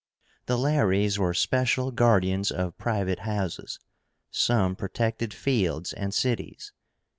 The LARES were special guardians of private houses. Some protected fields and cities.